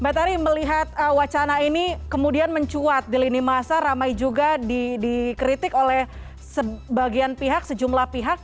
mbak tari melihat wacana ini kemudian mencuat di lini masa ramai juga dikritik oleh sebagian pihak sejumlah pihak